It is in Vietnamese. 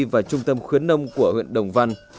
và trung tâm khuyến nông của huyện đồng văn